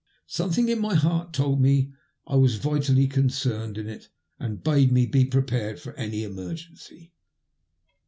Some thing in my heart told me I was vitally concerned in it, and bade me be prepared for any emergency.